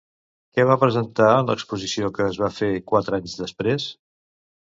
Què va presentar en l'exposició que es va fer quatre anys després?